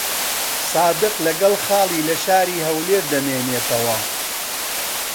سادق لەگەڵ خاڵی لە شاری هەولێر دەمێنێتەوە.